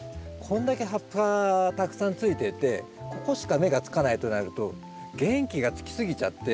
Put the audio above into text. こんだけ葉っぱがたくさんついててここしか芽がつかないとなると元気がつきすぎちゃって。